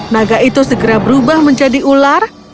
naga itu segera berubah menjadi ular